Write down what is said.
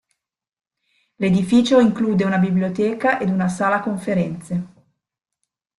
L'edificio include una biblioteca ed una sala conferenze.